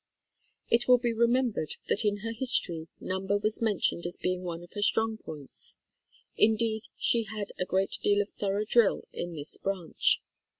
It will be remembered that in her history, number was mentioned as being one of her strong points. In deed, she had a great deal of thorough drill in this branch.